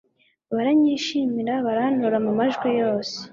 baranyishimira barantora mumajwi yose